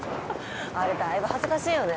あれだいぶ恥ずかしいよね。